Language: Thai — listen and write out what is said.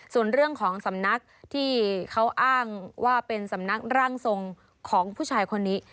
ส่วนเรื่องของสำนักที่เขาอ้างว่าเป็นสำนักร่างทรงของผู้ชายคนนี้